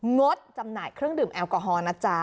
ดจำหน่ายเครื่องดื่มแอลกอฮอล์นะจ๊ะ